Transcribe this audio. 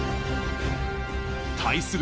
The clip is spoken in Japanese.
対する